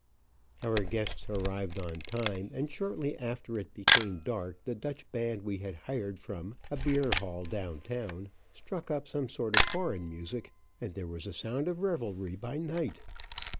Our guests arrived on time, and shortly after it became dark, the Dutch band we had hired from, a beer hall down town, struck up some sort of foreign music, and "there was a sound of revelry by night."